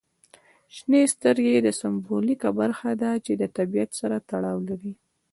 شنې سترګې د سمبولیکه برخه ده چې د طبیعت سره تړاو لري.